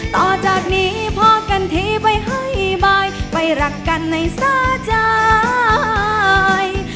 ต่อจากนี้พอกันทีไปให้บายไปรักกันในสาใจ